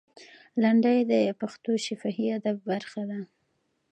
لنډۍ د پښتو شفاهي ادب برخه ده.